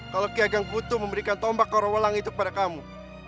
kalau ki ageng kutu memberikan tombak korowalang itu kepada kamu